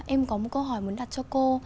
em có một câu hỏi muốn đặt cho cô